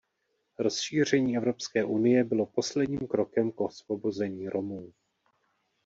Rozšíření Evropské unie bylo posledním krokem k osvobození Romů.